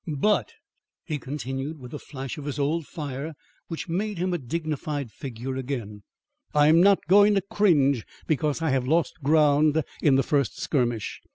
But," he continued, with a flash of his old fire which made him a dignified figure again, "I'm not going to cringe because I have lost ground in the first skirmish.